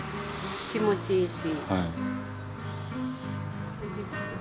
気持ちいいし。